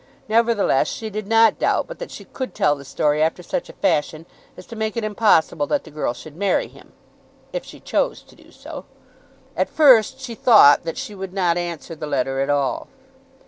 Nevertheless she did not doubt but that she could tell the story after such a fashion as to make it impossible that the girl should marry him, if she chose to do so. At first she thought that she would not answer the letter at all.